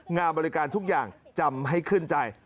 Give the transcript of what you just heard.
งานบริการทุกอย่างจำให้ขึ้นใจ